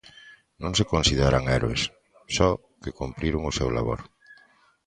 Non se consideran heroes, só que cumpriron o seu labor.